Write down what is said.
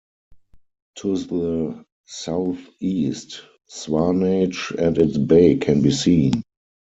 To the south-east Swanage and its Bay can be seen.